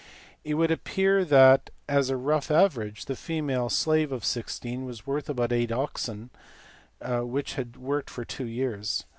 It would appear that, as a rough average, a female slave of 16 was worth about 8 oxen which had worked for two years.